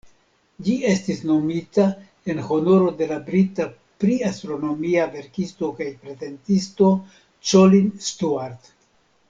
Ĝi estis nomita en honoro de la brita pri-astronomia verkisto kaj prezentisto "Colin Stuart".